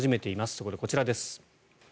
そこで、こちらです。